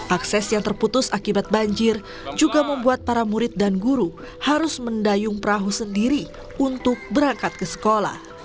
akses yang terputus akibat banjir juga membuat para murid dan guru harus mendayung perahu sendiri untuk berangkat ke sekolah